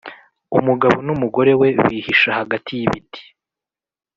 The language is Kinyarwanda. Umugabo n’ umugore we bihisha hagati y’ ibiti